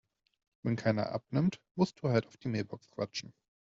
Wenn keiner abnimmt, musst du halt auf die Mailbox quatschen.